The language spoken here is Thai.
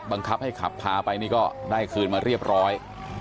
บังคับให้ขับพาไปนี่ก็ได้คืนมาเรียบร้อย